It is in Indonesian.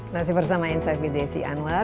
masih bersama insight with desi anwar